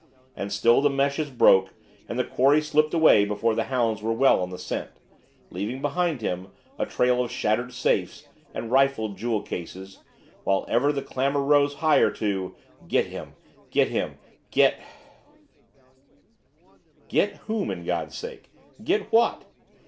And still the meshes broke and the quarry slipped away before the hounds were well on the scent leaving behind a trail of shattered safes and rifled jewel cases while ever the clamor rose higher to "Get him get him get " Get whom, in God's name get what?